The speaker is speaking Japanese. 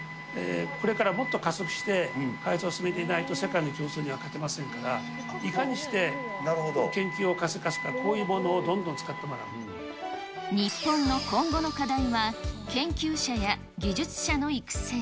これからもっと加速して開発を進めていかないと世界の競争には勝てませんから、いかにして研究を加速化するか、こういうものを使日本の今後の課題は、研究者や技術者の育成。